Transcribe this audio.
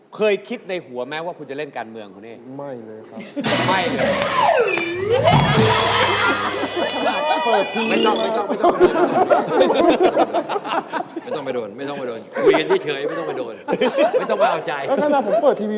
เคยคิดในหัวไหมว่าคุณจะเล่นการเมืองพอนี้